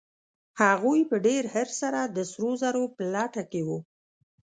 هغوی په ډېر حرص سره د سرو زرو په لټه کې وو.